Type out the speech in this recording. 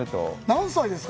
何歳ですか？